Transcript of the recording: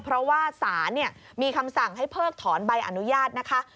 เพราะว่าศาลมีคำสั่งให้เพิกถอนใบอนุญาตนะคะ